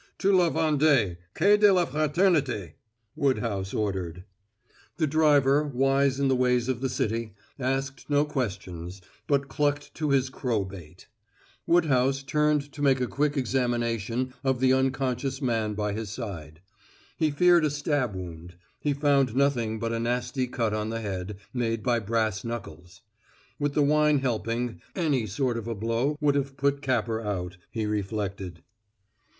"To La Vendée, Quai de la Fraternité!" Woodhouse ordered. The driver, wise in the ways of the city, asked no questions, but clucked to his crow bait. Woodhouse turned to make a quick examination of the unconscious man by his side. He feared a stab wound; he found nothing but a nasty cut on the head, made by brass knuckles. With the wine helping, any sort of a blow would have put Capper out, he reflected.